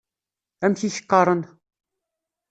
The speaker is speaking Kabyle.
Amek i k-qqaṛen?